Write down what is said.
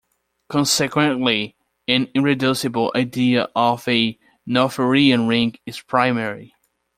Consequently, an irreducible ideal of a Noetherian ring is primary.